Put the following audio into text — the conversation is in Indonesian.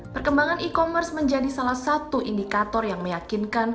perkembangan e commerce menjadi salah satu indikator yang meyakinkan bahwa industri digital